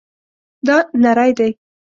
دا نری دی